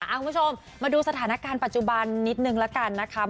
คุณผู้ชมมาดูสถานการณ์ปัจจุบันนิดนึงละกันนะคะ